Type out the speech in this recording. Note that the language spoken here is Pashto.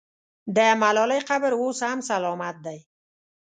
د ملالۍ قبر اوس هم سلامت دی.